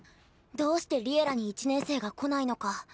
どうして「Ｌｉｅｌｌａ！」に１年生が来ないのか。